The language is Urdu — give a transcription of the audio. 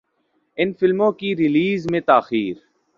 ان فلموں کی ریلیز میں تاخیر